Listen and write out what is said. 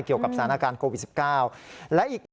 เกี่ยวกับสถานการณ์โควิด๑๙และอีก